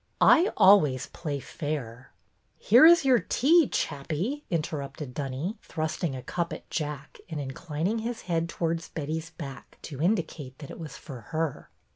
I always play fair." Here is your tea, chappie," interrupted Dunny, thrusting a cup at Jack, and inclining his head towards Betty's back to indicate that it was for her.